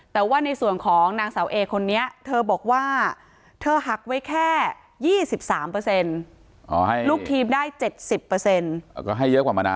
แต่ว่าในส่วนของนางสาวเอคนนี้เธอบอกว่าเธอหักไว้แค่๒๓ให้ลูกทีมได้๗๐ก็ให้เยอะกว่ามานะ